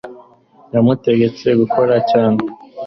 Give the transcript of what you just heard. yamutegetse gukora cyane